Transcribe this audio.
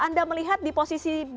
anda melihat di posisi